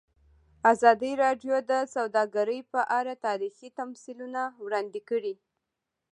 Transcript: ازادي راډیو د سوداګري په اړه تاریخي تمثیلونه وړاندې کړي.